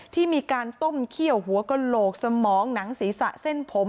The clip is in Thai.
ที่มีการต้มเขี้ยวหัวกระโหลกสมองหนังศีรษะเส้นผม